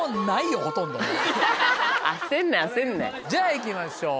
じゃあ行きましょう１